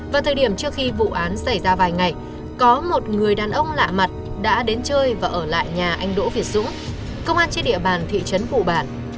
vào thời điểm trước khi vụ án xảy ra vài ngày có một người đàn ông lạ mặt đã đến chơi và ở lại nhà anh đỗ việt dũng công an trên địa bàn thị trấn vụ bản